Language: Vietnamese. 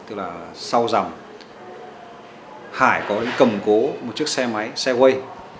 tức là sau dòng hải có đến cầm cố một chiếc xe máy xe way